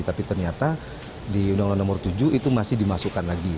tapi ternyata di undang undang nomor tujuh itu masih dimasukkan lagi